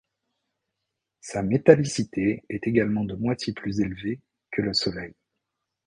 Sa métallicité est également de moitié plus élevée que le Soleil.